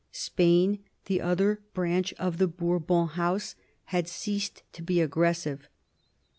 Spain, the other branch of the Bourbon House, had ceased to be aggressive.